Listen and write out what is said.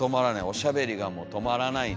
おしゃべりがもう止まらない。